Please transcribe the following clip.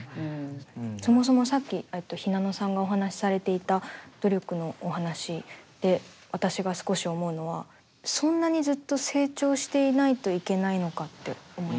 そもそもさっきひなのさんがお話しされていた努力のお話で私が少し思うのはそんなにずっと成長していないといけないのかって思います。